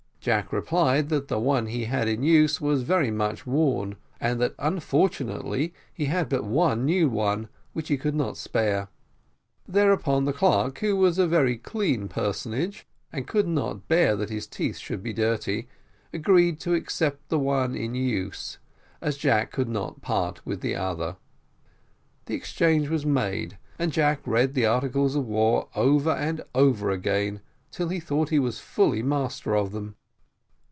Jack replied that the one he had in use was very much worn, and that unfortunately he had but one new one, which he could not spare. Thereupon the clerk, who was a very clean personage, and could not bear that his teeth should be dirty, agreed to accept the one in use, as Jack could not part with the other. The exchange was made, and Jack read the articles of war over and over again, till he thought he was fully master of them.